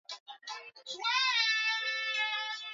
Moyo kushindwa kufanya kaziDegedege mara kwa mara